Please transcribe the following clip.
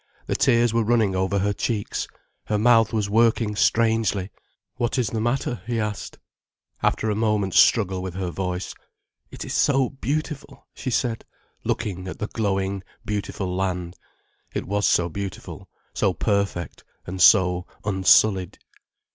The tears were running over her cheeks, her mouth was working strangely. "What is the matter?" he asked. After a moment's struggle with her voice. "It is so beautiful," she said, looking at the glowing, beautiful land. It was so beautiful, so perfect, and so unsullied.